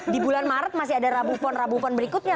di bulan maret masih ada rabu pon rabu pon berikutnya